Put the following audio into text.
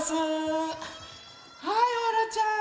はいオロちゃん。